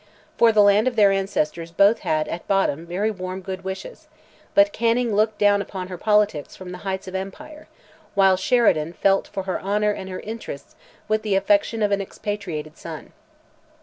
For the land of their ancestors both had, at bottom, very warm, good wishes; but Canning looked down upon her politics from the heights of empire, while Sheridan felt for her honour and her interests with the affection of an expatriated son.